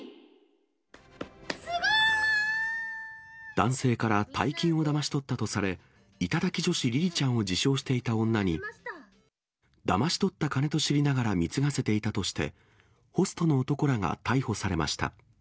男性から大金をだまし取ったとされ、頂き女子りりちゃんを自称していた女に、だまし取った金と知りながら貢がせていたとして、ホストの男らが逮捕されました。